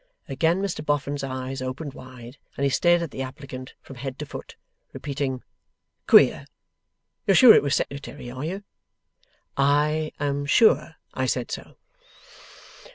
Again Mr Boffin's eyes opened wide, and he stared at the applicant from head to foot, repeating 'Queer! You're sure it was Secretary? Are you?' 'I am sure I said so.